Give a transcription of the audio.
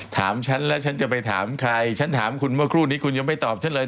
ถามฉันแล้วฉันจะไปถามใครฉันถามคุณเมื่อครู่นี้คุณยังไม่ตอบฉันเลย